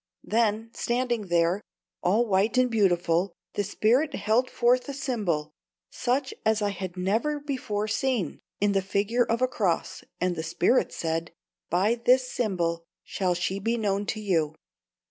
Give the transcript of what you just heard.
Then, standing there, all white and beautiful, the spirit held forth a symbol such as I had never before seen in the figure of a cross, and the spirit said: 'By this symbol shall she be known to you.'"